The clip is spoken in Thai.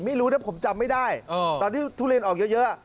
ไม่รู้นะผมจำไม่ได้ตอนที่ทุเรียนออกเยอะ